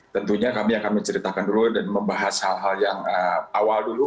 tentunya kami akan menceritakan dulu dan membahas hal hal yang awal dulu